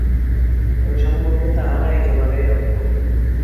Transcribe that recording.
ঐ সম্বন্ধে তাহারা একেবারেই অজ্ঞ।